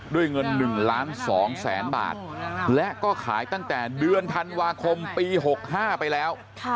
ด้วยเงิน๑ล้าน๒แสนบาทและก็ขายตั้งแต่เดือนธันวาคมปี๖๕ไปแล้ว